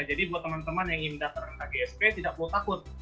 buat teman teman yang ingin datang ke kgsp tidak perlu takut